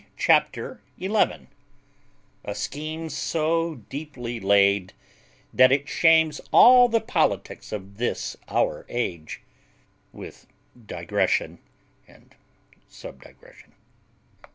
CHAPTER ELEVEN A SCHEME SO DEEPLY LAID, THAT IT SHAMES ALL THE POLITICS OF THIS OUR AGE; WITH DIGRESSION AND SUBDIGRESSION.